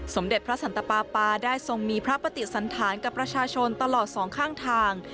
สมเด็จพระสันตปาปาได้ทรงมีพระปฏิสันฐาน